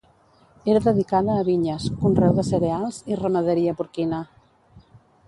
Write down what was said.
Era dedicada a vinyes, conreu de cereals i ramaderia porquina.